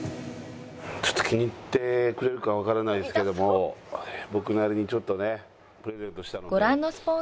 ちょっと気に入ってくれるかわからないですけども僕なりにちょっとね。